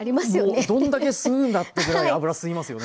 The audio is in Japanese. もうどんだけ吸うんだってぐらい油吸いますよね。